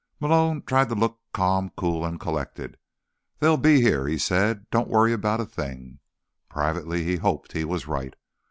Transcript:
Malone tried to look calm, cool and collected. "They'll be here," he said. "Don't worry about a thing." Privately, he hoped he was right.